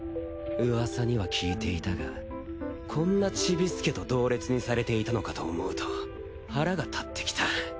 噂には聞いていたがこんなチビ助と同列にされていたのかと思うと腹が立ってきた。